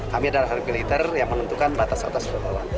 kami adalah harga militer yang menentukan batas batas terbawah